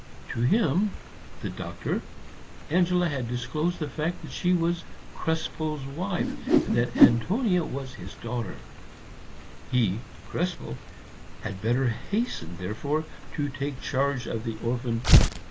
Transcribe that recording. To him, the Doctor, Angela had disclosed the fact that she was Krespel's wife, and that Antonia was his daughter; he, Krespel, had better hasten therefore to take charge of the orphan.